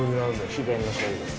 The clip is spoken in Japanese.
秘伝の醤油です。